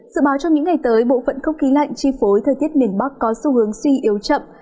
dự báo trong những ngày tới bộ phận không khí lạnh chi phối thời tiết miền bắc có xu hướng suy yếu chậm